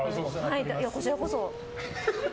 こちらこそ。